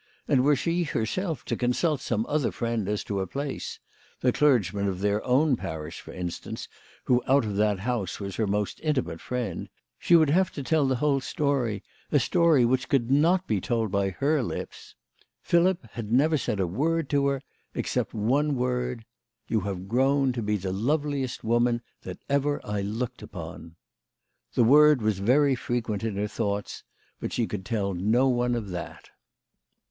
And were she herself to consult some other friend as to a place the clergyman of their own parish for instance, who out of that house was her most intimate friend she would have to tell the whole story, a story which could not be told by her lips. Philip had never said a word to her, except that one word :" You have grown to be the loveliest woman that ever I looked upon." The word was very fre quent in her thoughts, but she could tell no one of that